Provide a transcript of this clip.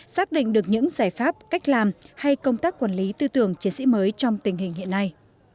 xác định được những giải pháp cách làm hay công tác quản lý tư tưởng chiến sĩ mới trong tình hình hiện nay